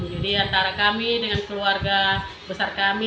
jadi antara kami dengan keluarga besar kami